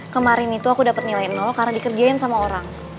kemarin itu aku dapat nilai nol karena dikerjain sama orang